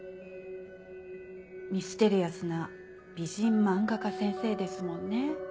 ミステリアスな美人漫画家先生ですもんね。